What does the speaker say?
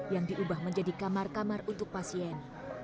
yang diubah menjadi kamar kamar untuk pasien